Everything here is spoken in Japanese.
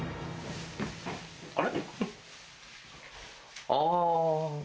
あれ？